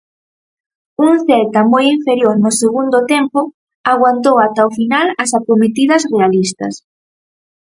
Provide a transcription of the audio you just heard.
Un Celta moi inferior no segundo tempo aguantou ata o final as acometidas realistas.